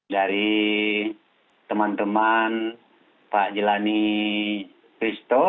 dari teman teman pak jelani christo